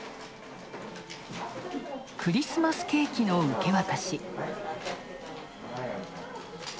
クリスマス・ケーキの受け渡し。